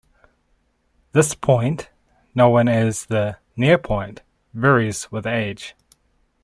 This point, known as the "near point", varies with age.